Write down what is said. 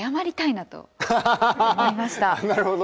なるほど。